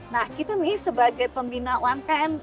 nah kita nih sebagai pembina umkm